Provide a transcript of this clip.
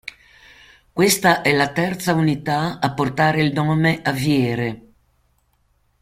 Questa è la terza unità a portare il nome Aviere.